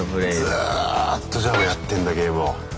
ずっとじゃあやってんだゲームを。